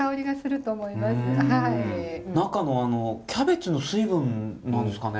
中のキャベツの水分なんですかね？